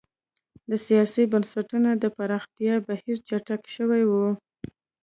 د سیاسي بنسټونو د پراختیا بهیر چټک شوی و.